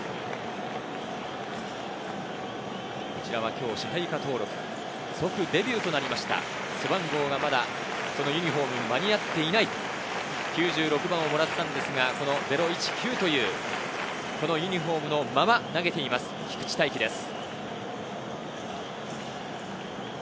今日、支配下登録、即デビューとなった背番号がまだユニホームに間に合っていない９６番をもらったんですが、０１９というユニホームのまま投げています、菊地大稀です。